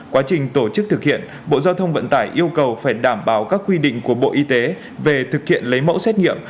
quá trình tổ chức thực hiện bộ giao thông vận tải yêu cầu phải đảm bảo các quy định của bộ y tế về thực hiện lấy mẫu xét nghiệm